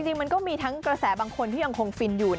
จริงมันก็มีทั้งกระแสบางคนที่ยังคงฟินอยู่